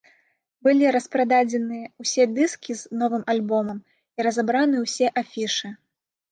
Былі распрададзены ўсе дыскі з новым альбомам і разабраны ўсе афішы.